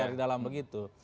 dari dalam begitu